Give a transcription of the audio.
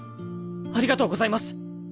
ありがとうございます。